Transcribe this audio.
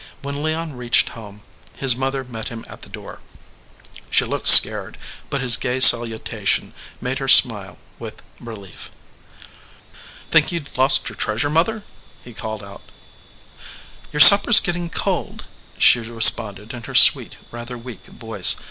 When Leon reached home his mother met him at the door. She looked scared, but his gay salu tation made her smile with relief. "Think you d lost your treasure, mother?" he called out. "Your supper s getting cold," she responded in her sweet, rather weak voice.